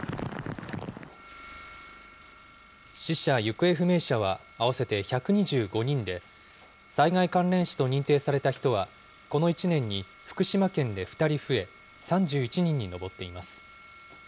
死者・行方不明者は合わせて１２５人で、災害関連死と認定された人はこの１年に福島県で２人増え、３１人に上っています。